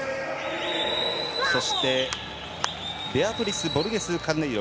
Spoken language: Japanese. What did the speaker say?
そして、ベアトリス・ボルゲスカルネイロ。